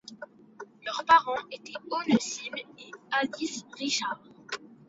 Leurs parents étaient Onesime et Alice Richard.